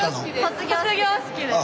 卒業式です。